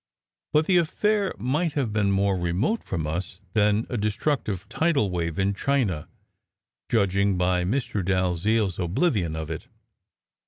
But the affair might have been more remote from us all than a destructive tidal wave in China, judging by Mr. Dalziel s oblivion of it.